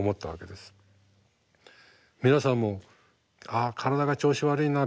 皆さんもああ体が調子悪いなあ